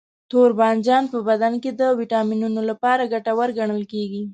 توربانجان په بدن کې د ویټامینونو لپاره ګټور ګڼل کېږي.